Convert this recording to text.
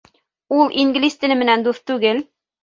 Ул инглиз теле менән дуҫ түгел